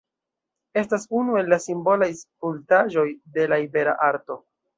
Estas unu el la simbolaj skulptaĵoj de la ibera Arto.